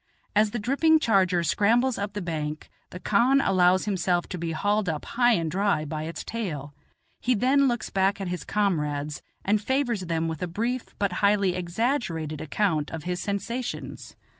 As the dripping charger scrambles up the bank, the khan allows himself to be hauled up high and dry by its tail; he then looks back at his comrades and favors them with a brief but highly exaggerated account of his sensations.